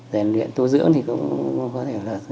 giàn luyện tu dưỡng thì cũng có thể là